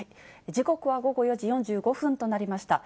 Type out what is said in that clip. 時刻は午後４時４５分となりました。